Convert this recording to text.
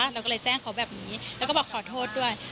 เราก็เลยแจ้งเขาแบบนี้แล้วก็บอกขอโทษด้วย